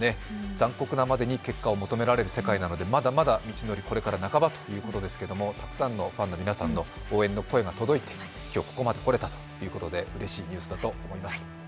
残酷なまでに結果を求められる世界なのでまだまだ道のりこれから半ばということですけど、たくさんのファンの皆さんの応援が届いて今日ここまで来れたということでうれしいニュースだと思います。